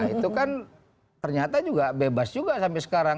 itu kan ternyata juga bebas juga sampai sekarang